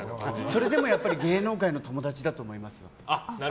それはでも、やっぱり芸能界の友達だと思います。